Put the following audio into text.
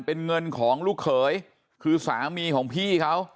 เป็นเงินของลูกเขยคือสามีของพี่เขา